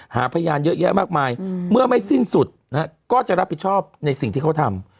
หาพยานเยอะแยะมากมายเมื่อไม่สิ้นสุดนะฮะก็จะรับผิดชอบในสิ่งที่เขาทำ